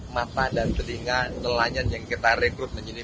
mata dan telinga nelayan yang kita rekrut menjadi